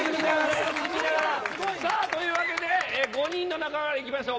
さあ、というわけで、５人の中から行きましょう。